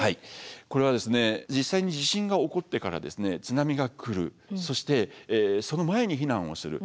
これは実際に地震が起こってから津波が来るそしてその前に避難をする。